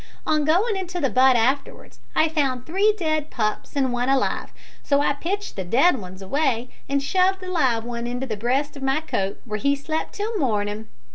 On goin' into the butt afterwards I found three dead pups and one alive, so I pitched the dead ones away an' shoved the live one into the breast of my coat, where he slep' till mornin'.